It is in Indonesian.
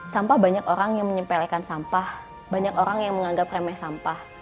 sampah banyak orang yang menyepelekan sampah banyak orang yang menganggap remeh sampah